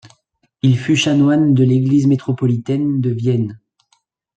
Il fut chanoine de l'église métropolitaine de Vienne.